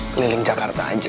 keliling jakarta aja